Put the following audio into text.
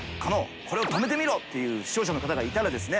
輒これを停めてみろ！っていう視聴者の方がいたらですね